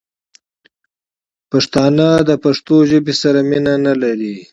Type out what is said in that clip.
پښتانه دپښتو ژبې سره مینه نه لري